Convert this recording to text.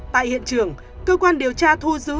tại hiện trường cơ quan điều tra thu giữ